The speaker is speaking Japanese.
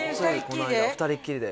２人っきりで？